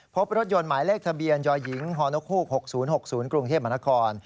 พบรถยนต์หมายเลขทะเบียนยหญิงฮนค๖๐๖๐กรุงเทพมนาคม